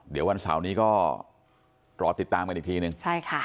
เดี๋ยววันเสาร์นี้ก็รอติดตามกันอีกทีนึงใช่ค่ะ